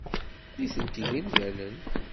Nitenti d imdanen.